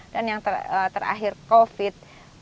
dan yang terakhir covid